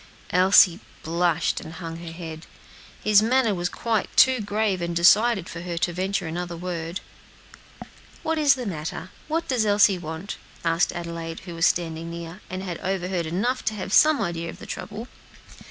Elsie blushed and hung her head. His manner was quite too grave and decided for her to venture another word. "What is the matter? what does Elsie want?" asked Adelaide, who was standing near, and had overheard enough to have some idea of the trouble.